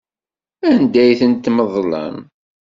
Anda ay ten-tmeḍlem?